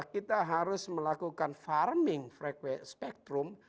kita harus melakukan farming spektrum